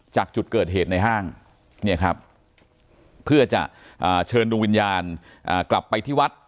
จากจุดเกิดเหตุในห้างเนี่ยครับเพื่อจะเชิญดวงวิญญาณกลับไปที่วัด